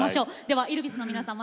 ではイルヴィスの皆さん